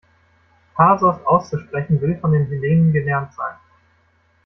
Thasos auszusprechen will von den Hellenen gelernt sein.